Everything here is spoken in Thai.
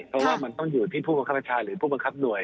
เพราะว่ามันต้องอยู่ที่ผู้บังคับประชาหรือผู้บังคับหน่วย